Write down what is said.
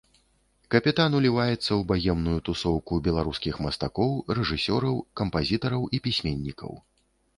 Капітан уліваецца ў багемную тусоўку беларускіх мастакоў, рэжысёраў, кампазітараў і пісьменнікаў.